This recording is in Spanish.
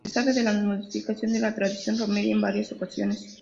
Se sabe de la modificación de la tradicional romería en varias ocasiones.